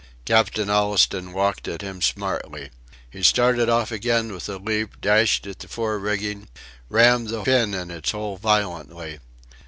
Captain Allistoun walked at him smartly. He started off again with a leap, dashed at the fore rigging, rammed the pin into its hole violently.